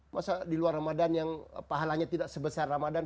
masa di luar ramadan yang pahalanya tidak sebesar ramadan